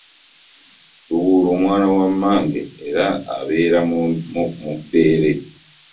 Lubuulwa mwana wa mmange era abeera mubbeere.